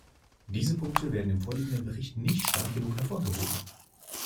Diese Punkte werden im vorliegenden Bericht nicht stark genug hervorgehoben.